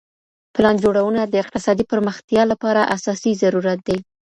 پلان جوړونه د اقتصادي پرمختيا لپاره اساسي ضرورت دی.